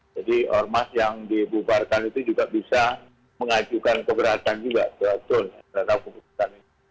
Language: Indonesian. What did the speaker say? jadi ormas yang dibubarkan itu juga bisa mengajukan keberatan juga ke tun